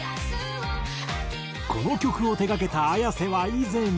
この曲を手掛けたＡｙａｓｅは以前。